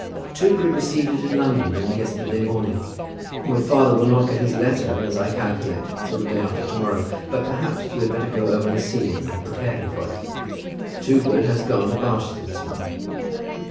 "Toogood received it in London only yesterday morning. Your father will not get his letter, as I calculate, till the day after to morrow. But, perhaps, you had better go over and see him, and prepare him for it. Toogood has gone to Barchester this morning."